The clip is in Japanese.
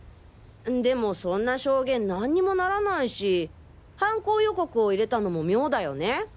でもそんな証言何にもならないし犯行予告を入れたのも妙だよね？